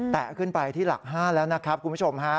ขึ้นไปที่หลัก๕แล้วนะครับคุณผู้ชมฮะ